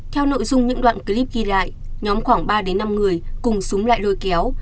theo nội dung những đoạn clip ghi lại nhóm khoảng ba năm người cùng súng lại lôi kéo